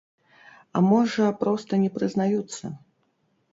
А можа, проста не прызнаюцца.